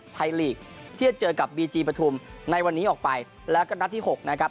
ไทยลีกที่จะเจอกับบีจีปฐุมในวันนี้ออกไปแล้วก็นัดที่๖นะครับ